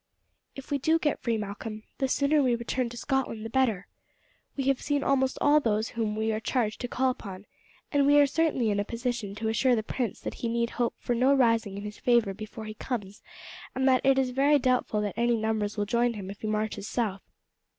"If we do get free, Malcolm, the sooner we return to Scotland the better. We have seen almost all those whom we are charged to call upon, and we are certainly in a position to assure the prince that he need hope for no rising in his favour here before he comes, and that it is very doubtful that any numbers will join him if he marches south."